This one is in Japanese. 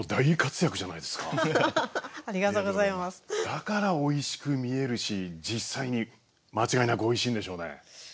だからおいしく見えるし実際に間違いなくおいしいんでしょうね。